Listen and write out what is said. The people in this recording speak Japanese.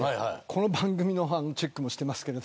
この番組のチェックもしてますけど。